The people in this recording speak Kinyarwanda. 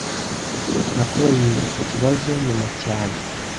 Nakubajije iki kibazo nyuma cyane